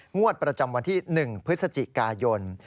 งวดประจำวันที่๑พฤศจิกายน